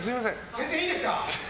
先生、いいですか！